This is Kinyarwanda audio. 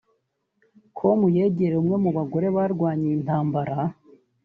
com yegereye umwe mu bagore warwanye iyi ntambara